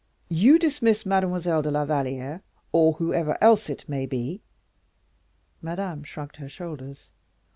You dismiss Mademoiselle de la Valliere, or whoever else it may be " Madame shrugged her shoulders.